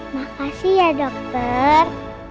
makasih ya dokter